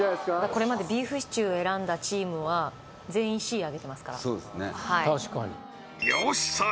これまでビーフシチューを選んだチームは全員Ｃ上げてますから確かによしさあ